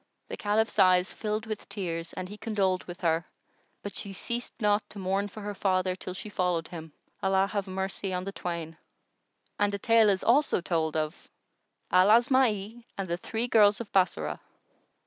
The Caliph's eyes filled with tears and he condoled with her; but she ceased not to mourn for her father, till she followed him—Allah have mercy on the twain! And a tale is also told of AL ASMA'I AND THE THREE GIRLS OF BASSORAH.